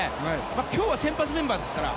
今日は先発メンバーですから。